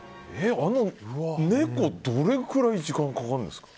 猫、どれぐらい時間かかるんですか？